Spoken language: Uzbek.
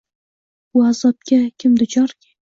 Bu azobga kim duchorki